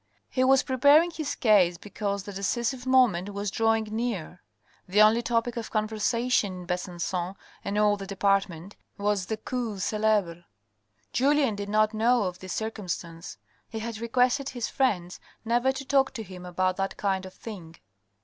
He was preparing his case because the decisive moment was drawing near. The only topic of conversation in Besancon, and all the department, was the cause celebre. Julien did not know of this circumstance. He had requested his friends never to talk to him about that kind of thing.